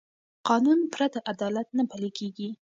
قانون پرته عدالت نه پلي کېږي